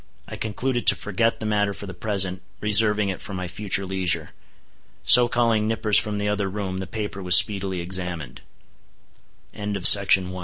I concluded to forget the matter for the present, reserving it for my future leisure. So calling Nippers from the other room, the paper was speedily examined. A few days after th